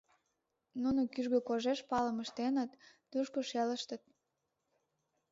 Нуно кӱжгӧ кожеш палым ыштеныт, тушко шелыштыт.